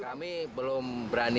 kami belum berani